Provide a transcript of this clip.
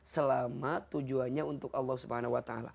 selama tujuannya untuk allah swt